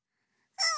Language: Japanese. うん。